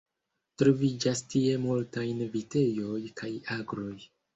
Troviĝas tie multajn vitejoj kaj agroj.